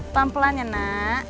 pelan pelan ya nak